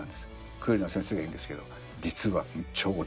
クールな先生がいるんですけど実は。